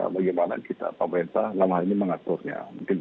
bagaimana kita atau pemerintah lama ini mengaturnya